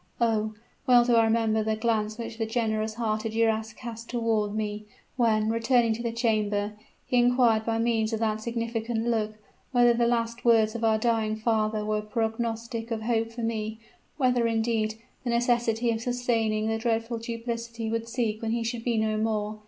Oh! well do I remember the glance which the generous hearted Duras cast toward me, when, returning to the chamber, he inquired by means of that significant look whether the last words of our dying father were prognostic of hope for me whether, indeed, the necessity of sustaining the dreadful duplicity would cease when he should be no more.